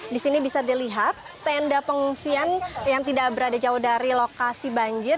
di sini bisa dilihat tenda pengungsian yang tidak berada jauh dari lokasi banjir